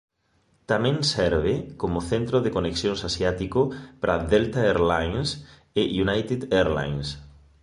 Tamén serve como centro de conexións asiático para Delta Air Lines e United Airlines.